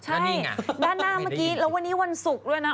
ใช่ด้านหน้าเมื่อกี้แล้ววันนี้วันศุกร์ด้วยนะ